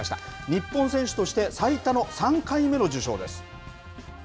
日本選手として最多の３回目の受賞です。